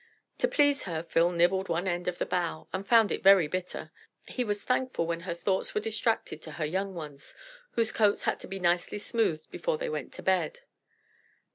To please her Phil nibbled one end of the bough, and found it very bitter. He was thankful when her thoughts were distracted to her young ones, whose coats had to be nicely smoothed before they went to bed.